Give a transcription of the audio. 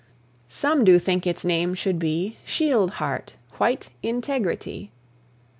Some do think its name should be Shield Heart, White Integrity.